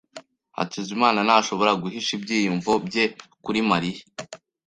Hakizimana ntashobora guhisha ibyiyumvo bye kuri Mariya.